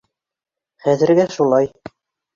Хәҙергә шулай.